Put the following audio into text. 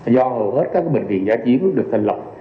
do hầu hết các bệnh viện giá chiến được thành lập